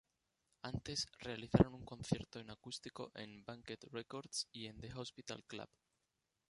Antes realizaron un concierto en acústico en Banquet Records y en The Hospital Club.